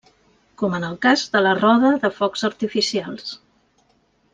Com en el cas de la roda de focs artificials.